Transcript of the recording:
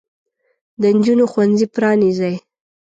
د نجونو ښوونځي پرانیزئ.